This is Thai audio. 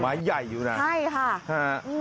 ไม้ใหญ่อยู่นะฮะอืมใช่ค่ะ